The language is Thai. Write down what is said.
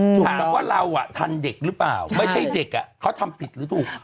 ถามว่าเราอ่ะทันเด็กหรือเปล่าไม่ใช่เด็กอ่ะเขาทำผิดหรือถูก